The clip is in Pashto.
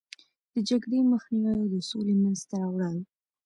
د جګړې مخنیوی او د سولې منځته راوړل.